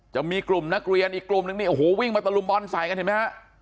จะมีกลุ่มนักเรียนอีกกลุ่มนึงนี่โอ้โหวิ่งมาตะลุมบอลใส่กันเห็นไหมฮะ